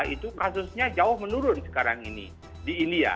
itu kasusnya jauh menurun sekarang ini di india